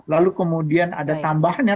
lalu kemudian ada tambahannya